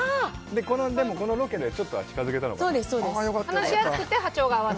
でもこのロケでちょっとは近づけたのかな。